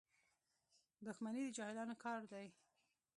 • دښمني د جاهلانو کار دی.